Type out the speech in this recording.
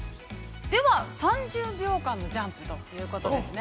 ◆では３０秒間のジャンプということですね。